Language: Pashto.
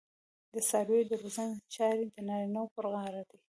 د څارویو د روزنې چارې د نارینه وو پر غاړه دي.